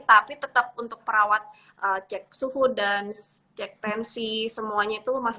tapi tetap untuk perawat cek suhu dan cek tensi semuanya itu masih